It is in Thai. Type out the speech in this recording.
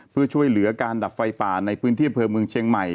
เพื่อช่วยเหลือการดับไฟป่าในพื้นที่อำเภอเมืองเชียงใหม่